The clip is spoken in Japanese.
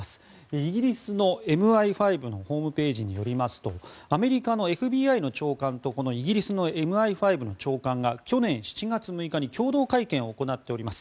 イギリスのＭＩ５のホームページによりますとアメリカのＦＢＩの長官とイギリスのＭＩ５の長官が去年７月６日に共同会見を行っております。